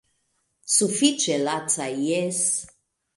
Sufiĉe laca, jes.